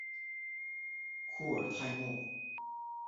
库尔泰莫。